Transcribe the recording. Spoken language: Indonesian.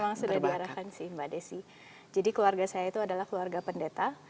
memang sudah diarahkan sih mbak desi jadi keluarga saya itu adalah keluarga pendeta